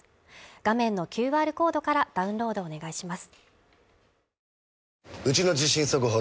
画面のＱＲコードからダウンロードをお願いします